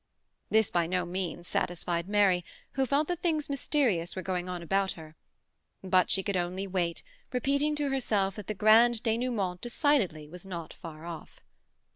This by no means satisfied Mary, who felt that things mysterious were going on about her. But she could only wait, repeating to herself that the grand denouement decidedly was not far off.